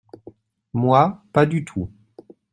Moi, pas du tout.